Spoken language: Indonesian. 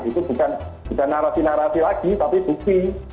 itu bukan narasi narasi lagi tapi bukti